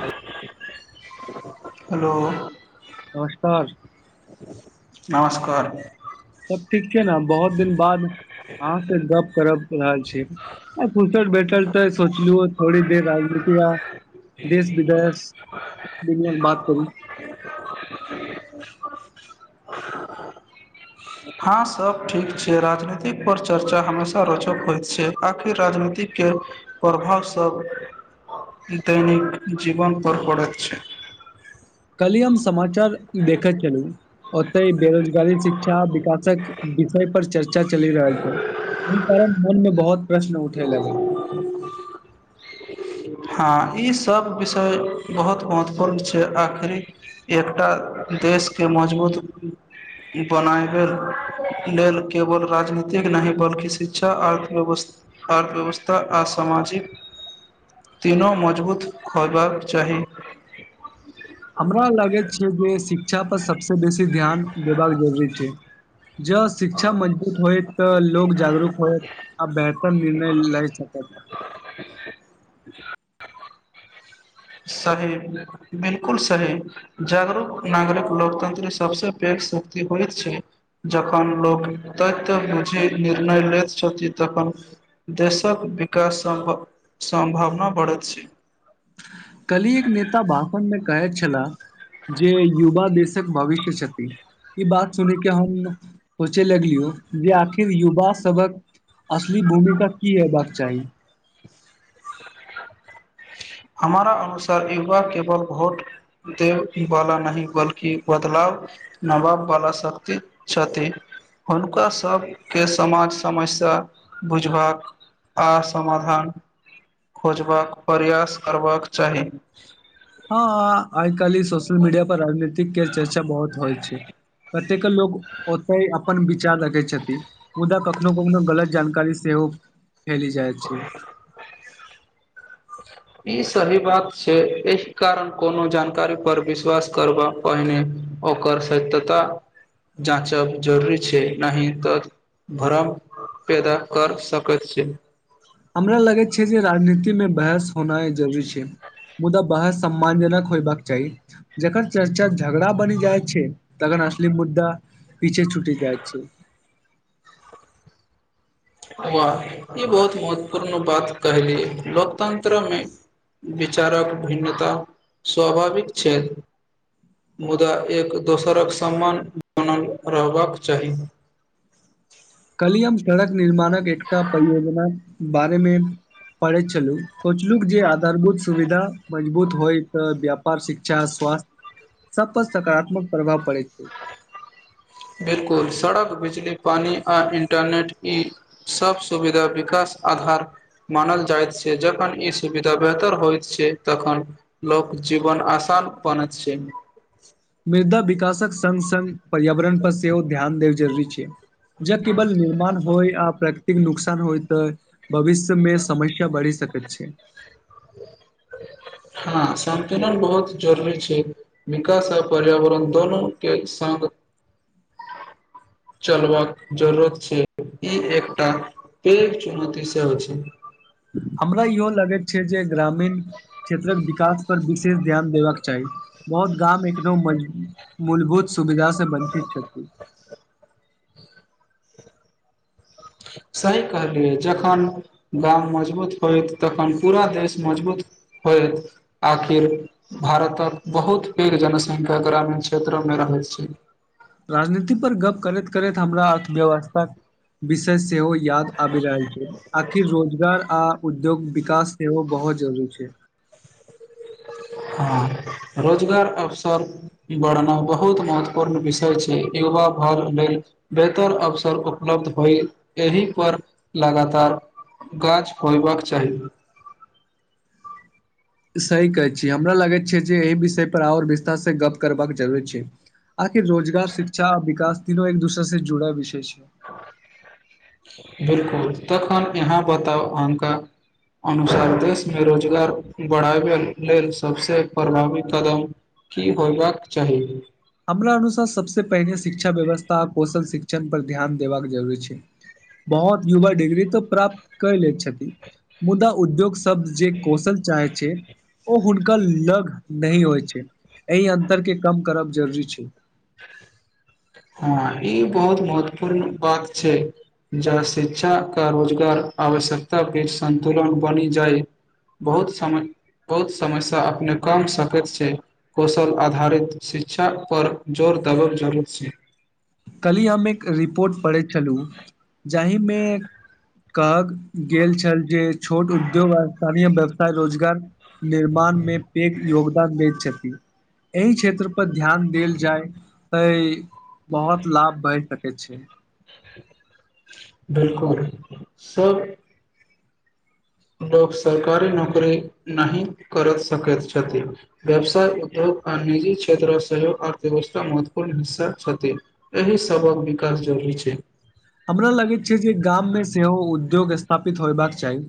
हे हेलो। नमस्कार। नमस्कार। तब ठीक छीये ने, बहोत दिन बाद अहाँ से गप्प करब रहल छी, आ फुरसत भेटल ते सोचलु थोड़ी देर राजनीति आ देश-विदेश, दुनिया के बात करू। [unintelligible] हाँ सब ठीक छै राजनैतिक पर चर्चा हमेशा रोचक होएत छै, आखिर राजनीतिक के प्रभाव सब दैनिक जीवन पर पड़ैत छै। कल्हि हम समाचार देखे छलु, ओतै बेरोजगारी शिक्षा विकासक विषय पर चर्चा चलै रहल छै, ए कारण मन मे बहुत प्रश्न उठे लागल। हाँ ई सब विषय बहुत महत्वपूर्ण छै, आखरी एकटा देश के मजबूत बनाएबे लेल केवल राजनीतिक नहि बल्कि शिक्षा अर्थव्यवस अर्थव्यवस्था आ समाजिक तीनो मजबूत होबाक चाही। हमरा लागै छिये जे शिक्षा पर सबसे बेसी ध्यान देबाक जरुरी छै। ज शिक्षा मजबूत होय तऽ लोग जागरूक हो आ बेह तर निर्णय लै सकैत। सही बिलकुल सही जागरूक नागरिक लोकतंत्र सबसे पैघ शक्ति होएत छै, जखन लोक तथ्य बुझे निर्णय लैत छथिन, तखन देशक विकास सम सम्भावना बढ़ैत छै। कलि एक नेता भाषण मे कहै छ ला, जे युवा देशक भविष्य छथिन, ई बात सुन के हम सोचे लगलियौ जे आखिर युवा सबक असली भूमिका की हेबाक चाही। हमारा अनुसार युवा केवल भोट देब वाला नहि बल्कि बदलाव नबाब बाला शक्ति छथि, हुनका सबके समाज समस्या बुझबाक आ समाधान खोजबाक प्रयास करबाक चाही। हाँ। कल्हि सोशल मीडिया पर राजनीतिक के चर्चा बहुत होय छै, कतेक लोक ओतै अ पन विचार राखै छथि। मुदा कखनो-कखनो गलत जानकारी सेहो फेली जाय छै। ई सही बात छै, एहि कारण कोनो जानकारी पर विश्वास करबा पहिने ओकर सत्यता जाँचब जरूरी छै, नहि ते भरम पैदा कर सकैत छै। हमरा लगै छै जे राजनीति मे बहस होनाय जरूरी छै, मुदा बहस सम्मान जनक होयबाक चाही, जकर चर्चा झगड़ा बैन जाय छै। तगन असली मुद्दा पीछे छुट जाएत छै। वाह ई बहुत महत्वपूर्ण बात कहलियै लोकतन्त्र मे विचारक भिन्नता स्वाभाविक छै, मुदा एक दोसरक सम्मान बनल रहबाक चाही। कल्हि हम सड़क निर्माणक एकटा परियोजनाक बारेमे पढ़ैत छलु, सोचलुक जे आधारभूत सुविधा मजबूत होय तऽ व्याप और शिक्षा, स्वास्थ्य सब पर सकारात्मक प्रभाव पड़ै छै। बिलकुल सड़क, बिजली, पानी आ इंटरनेट ई सब सुविधा विकास आधार मानल जाएत छै, जखन ई सुविधा बेहतर होएत छै, तखन लोक जीवन आसान बनैत छै। मृदा विकासक संग-संग पर्यावरण पर सेहो ध्यान देब जरुरी छै। जब केबल निर्माण होय आ प्रक इ नुकसान होय तऽ भविष्यमे समस्या बढ़ि सकैत छै। हां सन्तुलन बहुत जरूरी छै, विकास आ पर्यावरण दोनो के संग चलबाक जरूरत छै, ई एकटा पैघ चुनौती सेहो छै। हमरा इहो लगैत छै जे ग्रामीण क्षेत्रक विकास पर विशेष ध्यान देबाक चाही। बहोत गाम एकदम मज मूलभूत सुविधा से वंचित छथि। सही कहलियै जखन गाम मजबूत होएत, तखन पूरा देश मजबूत होएत, आखिर भारतक बहुत पैघ जनसंख्या ग्रामीण क्षेत्रमे रहैत छै। राजनीति पर गप करैत-करैत हमरा अर्थव्यवस्था विशेष सेहो याद आबि रहल छै, आखिर रोजगार आ उद्योग विकास सेहो बहोत जरूरी छै। हां रोजगार अवसर बढ़ना बहुत महत्वपूर्ण विषय छी, युवा भर लेल बेहतर अवसर उपलब्ध होय एहि पर लगातार गाछ होयबाक चाही। सही कहै छी हमरा लगैत छै जे ए विषय पर और विस्तार से गप्प करबाक जरूरी छै, आखिर रोजगार शिक्षा आ विकास तीनो एक दुसर से जुड़ल विषय छै। बिलकुल तखन यहाँ बताउ अहनका अनुसार देशमे रोजगार बढ़ाबै लेल सबसे प्रभावी कदम की होयबाक चाही। हमरा अनुसार सबसे पहिने शिक्षा व्यवस्था आ कौशल शिक्षण पर ध्यान देबाक जरुरी छै, बहोत युवा डिग्री तऽ प्राप्त कय लेै छथि मुद्दा उद्योग से सब जे कौशल चाहे छै ओ हुन का लग नै होय छै, ए अन्तर के कम करब जरूरी छै। हां ई बहुत महत्वपूर्ण बात छै ज शिक्षा का रोजगार आवश्यकता बीच सन्तुलन बनि जाय, बहुत समय बहुत समस्या अपने कम सकैत छै, कौशल आधारित शिक्षा पर जोर देबब जरूर छै। कल्हि हम एक रिपोर्ट पढ़ैत छलु जाहिमे कहक गेल छल जे छोट उद्योग आ स्थानीय व्यवसाय रोजगार निर्माण मे पैघ योगदान दे छथी। एहि क्षेत्र पर ध्यान देल जाय तै बहोत लाभ बैढ़ सकैत छै। बिलकुल सब लोक सरकारी नौकरी नहि करत सकत छथि, व्यवसाय उद्योग आ निजी क्षेत्र सेहो अर्थव्यवस्था महत्वपूर्ण हिस्सा छथि, एहि सबक विकास जरूरी छै। हमरा लगैत छै जे गाममे सेहो उद्योग स्थापित होयबाक चाही,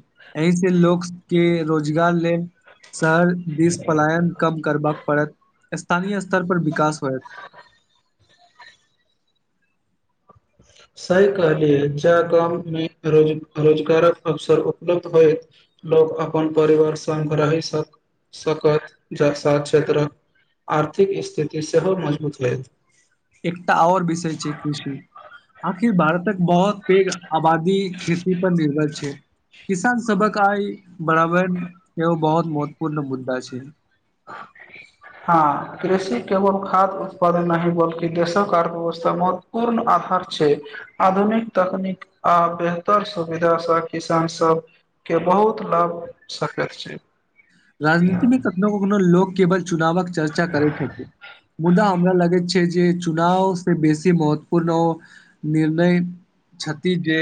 एहि से लोकके रोजगार लेल शहर दिस पलायन कम करबाक पड़त। स्थानीय स्तर पर विकास होए। सही कहलियए, जा गाममे रोज रोजगारक अवसर उपलब्ध होय, लोक अपन परिवार सग रहि स सकत, जा साथ क्षेत्रक आर्थिक स्थिति सेहो मजबूत होयत। एकटा आओर विषय छै कृषि, आखिर भारतक बहुत पैघ आबादी खेती पर निर्भर छै, किसान सबक आइ बड़ाबड़ एो बहुत महत्वपूर्ण मुद्दा छै। हँ कृषि केवल खाद उत्पादन नहि, बल्कि देशक अर्थव्यवस्था महत्वपूर्ण आधार छै, आधुनिक तकनीक आ बेहतर सुविधासँ किसान सभके बहुत लाभ सकैत छै। राजनीतिक मे कखनो-कखनो लोक केबल चुनावक चर्चा करै छथि, मुद्दा हमरा लागै छै। ए जे चुनाव से बेसी महत्वपूर्ण औ निर्णय छथि जे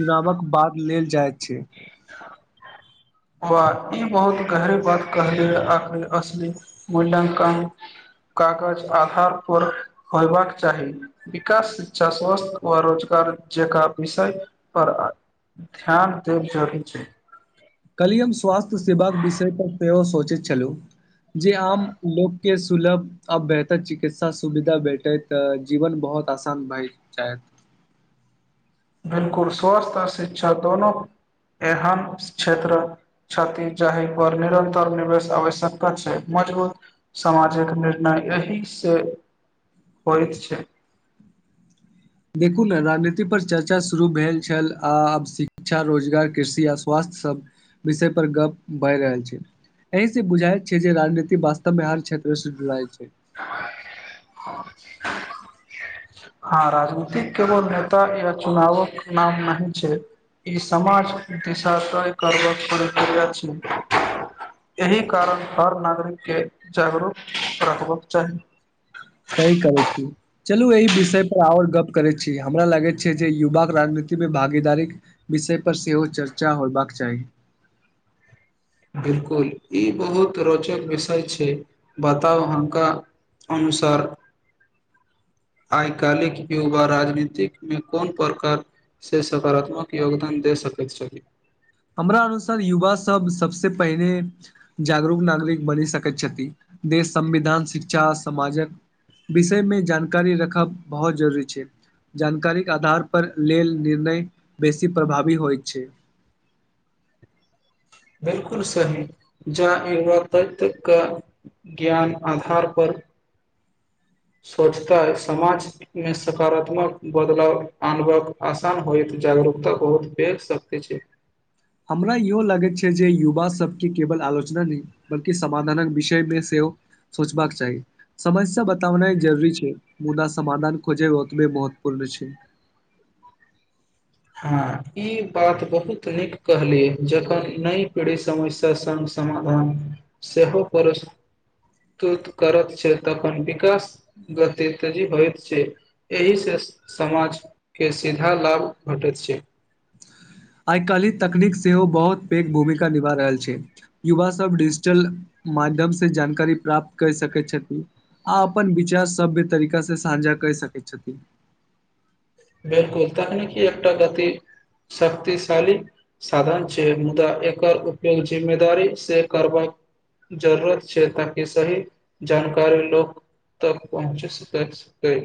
चुनावक बाद लेल जाइ छै। वा ई बहुत गहरी बात कहली, आखरी असली मूल्यांकन कागज आधार पर होयबाक चाही, विकास शिक्षा स्वस्थ व रोजगार जकाँ विषय पर ध्यान [unintelligible] छै। कल्हि हम स्वास्थ्य सेवाक विषय पर सेहो सोचै छलु, जे आम लोक के सुलभ आ बेहतर चिकित्सा सुविधा भेटैत अ जीवन बहोत आसान भाय जाएत। बिलकुल स्वस्थ आ शिक्षा दोनो एहन क्षेत्र छथि, जाहि पर निरन्तर निवेश आवश्यकता छै, मजबूत समाजिक निर्णय एहि से होएत छै। देखू ने राजनीति पर चर्चा शुरू भेल छल, आब शिक्षा रोजगार कृषि आ स्वास्थ्य सब विषय पर गप भए रहल छै, एहि से बुझाय छै जे राजनीति वास्तव मे हर क्षेत्र से जुड़ाएल छै। हाँ राजनीतिक केवल नेता या चुनावक नाम नही छै, ई समाज दिशा तय करबक प्रक्रिया छी, एहि कारण हर नागरिक के जागरूक रखबै चाही। चलु एहि विषय पर और गप्प करै छी, हमरा लागै छै जे युवा क राजनीति मे भागीदारीक विषय पर सेहो चर्चा होयबाक चाही। बिलकुल ई बहुत रोचक विषय छै, बताउ हनका अनुसार आय काल्हिक के युवा राजनीतिक मे कोन प्रकार से सकारात्मक योगदान दे सकैत छली। हमरा अनुसार युवा सब सबसे पहिने जागरूक नागरिक बनि सकैत छथि, देश, संविधान, शिक्षा, समाजक विषयमे जानकारी रखब बहोत जरूरी छै, जानकारी के आधार पर लेल निर्णय बेसी प्रभावी होय छै। बिलकुल सही जा युवक तत्व के ज्ञान अधार पर सोचता समाज मे सकारात्मक बदलाव आनबक आसान होएत, जागरूकता होएत, बे शक्ति छै। हमरा इहो लागैत छै जे युवा सबके केवल आलोचना नहि बल्कि समाधानक विषय मे सेहो सोचबाक चाही समस्या बतावना जरूरी छै, मुदा समाधान खोजै ओतबे महत्वपूर्ण छै। हाँ ई बात बहुत नीक कहलियै, जखन नई पीढ़ी समस्या संग समाधान सेहो प्रस्तुत करत छै, तखन विकास गति तेजी होएत छै, एहि से समाज के सीधा लाभ भटैत छै। आय काल्हि तकनीक सेहो बहोत पैघ भूमिका निभा रहल छै, युवा सब डिजिटल माध्यम से जानकारी प्राप्त कर सकै छथि, आ अपन विचार सभ्य तरीका से सांझा कर सकै छथि। बिलकुल तकनीकी एकटा गति शक्तिशाली साधन छै, मुदा एकर उपयोग जिम्मेदारी से करबाक जरूरत छै ताकि सही जानकारी लोक तक पहुँच सकसतै।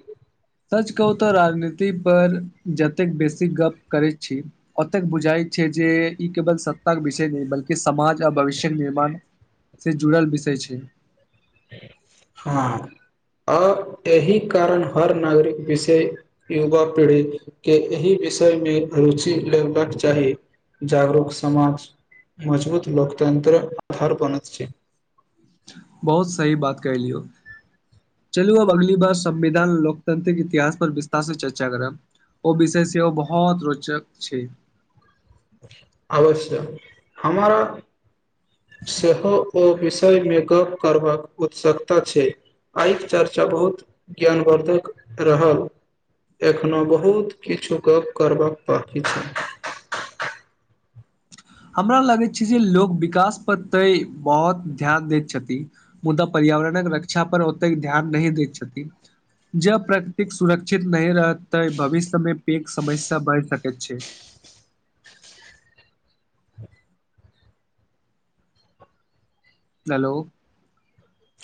सच कहू तऽ राजनीति पर जतेक बेसी गप्प करै छी, ओतेक बुझाय छै जे ई केवल सत्ता के विषय नै बल्कि समाज भविष्यक निर्माण से जुड़ल विषय छै। हाँ अ एहि कारण हर नागरिक विषय युवा पीढ़ीक के एहि विषय मे रुचि लेबाक चाही, जागरूक समाज मजबूत लोकतन्त्र अधार बनैत छै। बहुत सही बात केहलियौ, चलू अब अगली बार संविधान लोकतंत्रिक इतिहास पर विस्तार से चर्चा करब ओ विषय सेहो बहोत रोचक छै। अवश्य हमारा सेहो ओ विषय मे गप्प करबाक उत्सकता छै, आय के चर्चा बहुत ज्ञानवर्धक रहल, एखनो बहुत किछु गप्प करबाक बाकी छै। हमरा लागैत छै जे लोक विकास पर तै बहोत ध्यान दैत छथि। मुदा पर्यावरणक रक्षा पर ओतेक ध्यान नहि दैत छथि, जब प्रकृतिक सुरक्षित नै रहत ते भविष्य मे पैघ समस्या बैढ़ सकैत छै। हेलो।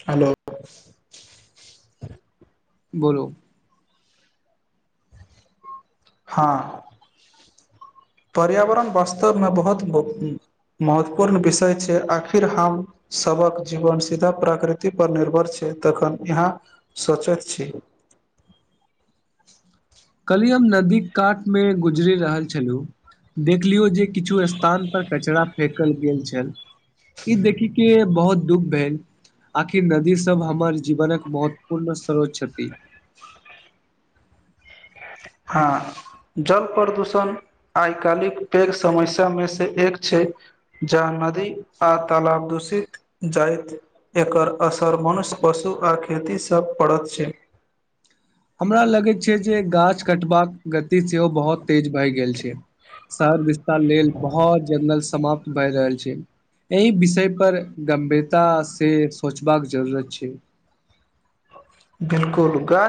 हेलो। बोलू। हाँ। पर्यावरण वास्तव मे बहोत ब उम्म महत्वपूर्ण विषय छै, आखिर हम सबक जीवन सीधा प्राकृति पर निर्भर छै, तखन यहाँ सोचैत छी। कल्हि हम नदी कात मे गुजरि रहल छलु देखलियौ जे किछु स्थान पर कचरा फेकल गेल छल, ई देखी के बहोत दुःख भेल, आखिर नदी सब हमर जीवनक महत्वपूर्ण स्रोत छथि। हाँ जल प्रदूषण आय काल्हिक पैग समस्या मे से एक छै, जहां नदी आ तलाब दूषित जायत, एकर असर मनुष्य पशु आ खेती से पड़ैत छै। हमरा लगे छै जे गाछ कटबाक गति सेहो बहोत तेज भाए गेल छै, शहर वि ता लेल बहोत जंगल समाप्त भए रहल छै, एहि विषय पर गंभीरता से सोचबाक जरूरत छै। बिलकुल गा